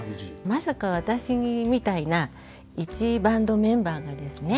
まさか私みたいないちバンドメンバーがですね